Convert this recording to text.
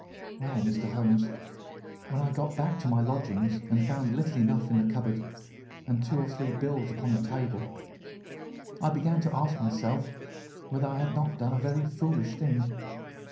"Well, Mr. Holmes, when I got back to my lodgings and found little enough in the cupboard, and two or three bills upon the table, I began to ask myself whether I had not done a very foolish thing.